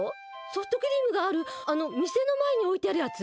ソフトクリームがある、あの店の前に置いてあるやつ？